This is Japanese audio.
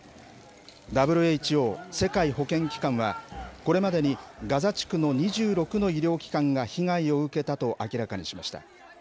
ＷＨＯ、世界保健機関はこれまでにガザ地区の２６の医療機関が被害を受けたと明らかにしました。